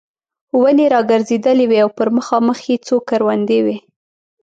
ونې را ګرځېدلې وې او پر مخامخ یې څو کروندې وې.